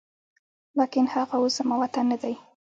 لاکن هغه اوس زما وطن نه دی